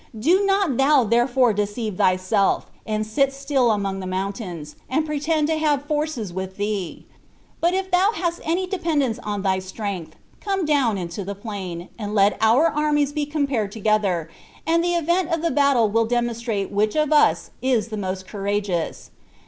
"Do not thou therefore deceive thyself, and sit still among the mountains, and pretend to have forces with thee; but if thou hast any dependence on thy strength, come down into the plain, and let our armies be compared together, and the event of the battle will demonstrate which of us is the most courageous.